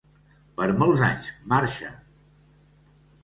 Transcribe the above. Per molts anys, Marsha!